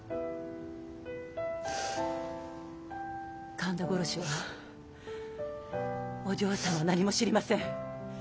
神田殺しはお嬢さんは何も知りません。